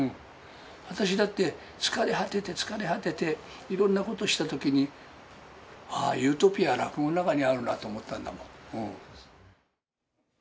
私だって疲れ果てて疲れ果てて、いろんなことしたときに、ああ、ユートピアは落語の中にあるなと思ったんだもん。